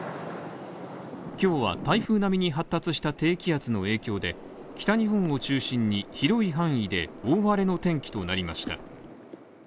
今日は台風並みに発達した低気圧の影響で北日本を中心に広い範囲で大荒れの天気となりました。